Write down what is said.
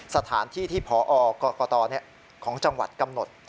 สถานที่ที่พอกรกตของจังหวัดกำหนด